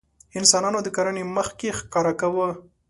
انسانانو د کرنې مخکې ښکار کاوه.